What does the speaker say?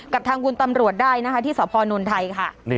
กับทางคุณตำรวจได้นะคะที่สพนไทยค่ะ